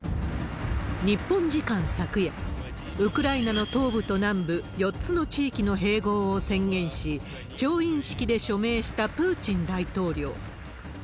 日本時間昨夜、ウクライナの東部と南部、４つの地域の併合を宣言し、調印式で署名したプーチン大統領。